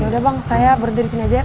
ya udah bang saya berdiri disini aja ya